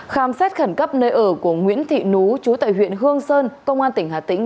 khám xét khẩn cấp nơi ở của nguyễn thị nú chú tại huyện hương sơn công an tỉnh hà tĩnh